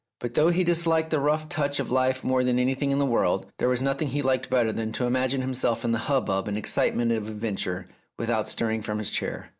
But though he disliked the rough touch of life more than anything in the world, there was nothing he liked better than to imagine himself in the hubbub and excitement of adventure without stirring from his chair.